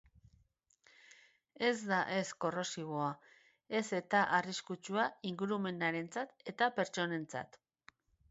Ez da ez korrosiboa, ez eta arriskutsua ingurumenarentzat eta pertsonentzat.